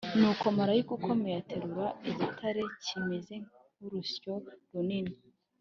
Nuko marayika ukomeye aterura igitare kimeze nk’urusyo runini,